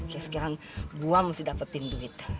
oke sekarang gue mesti dapetin duit